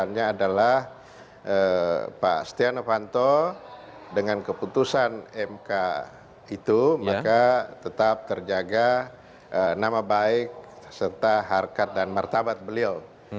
yang adalah pak setia novanto dengan keputusan mk itu maka tetap terjaga nama baik serta harkat dan martabat beliau